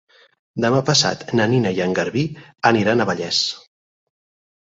Demà passat na Nina i en Garbí aniran a Vallés.